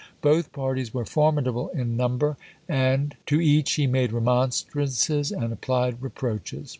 Both parties were formidable in number, and to each he made remonstrances, and applied reproaches.